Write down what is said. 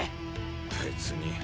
別に。